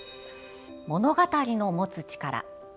物語の持つ力。